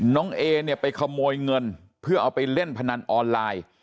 น้องเอ๋ไปขโมยเงินเพื่อเล่นแผ่นอนไลน์